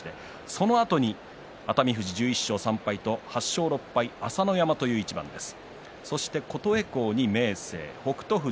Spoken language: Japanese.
そのあとに熱海富士１１勝３敗と８勝６敗の朝乃山という一番です。